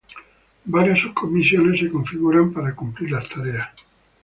Varias subcomisiones se configuran para cumplir las tareas.